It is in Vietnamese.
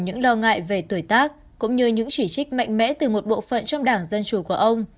những lo ngại về tuổi tác cũng như những chỉ trích mạnh mẽ từ một bộ phận trong đảng dân chủ của ông